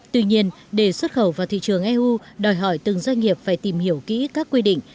tuy nhiên để xuất khẩu vào thị trường eu đòi hỏi từng doanh nghiệp phải tìm hiểu kỹ các quy định